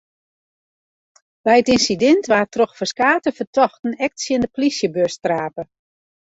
By it ynsidint waard troch ferskate fertochten ek tsjin de polysjebus trape.